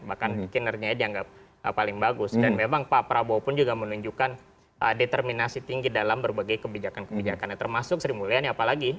bahkan kinerjanya dianggap paling bagus dan memang pak prabowo pun juga menunjukkan determinasi tinggi dalam berbagai kebijakan kebijakannya termasuk sri mulyani apalagi